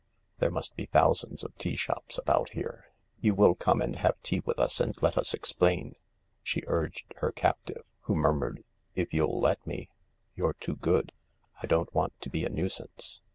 There must be thousands of tea shop^ about here. You will come and have tea with us and let us explain ?" she urged her captive, who murmured, " If you'U let me. You're too good. I don't want to be a nuisance